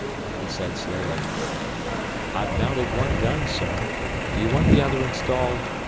He said slowly, "I've mounted one gun, sir. Do you want the other installed?